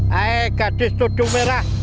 hei gadis sudung merah